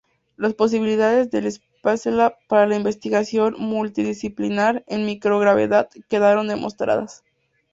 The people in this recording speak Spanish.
Las posibilidades del Spacelab para la investigación multidisciplinar en microgravedad quedaron demostradas.